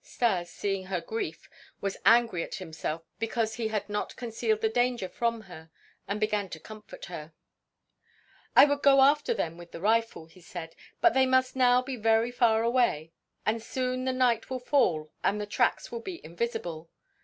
Stas, seeing her grief, was angry at himself because he had not concealed the danger from her and began to comfort her: "I would go after them with the rifle," he said, "but they must now be very far away, and soon the night will fall and the tracks will be invisible.